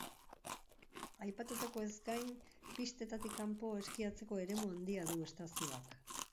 Aipatutakoez gain, pistetatik kanpo eskiatzeko eremu handia du estazioak.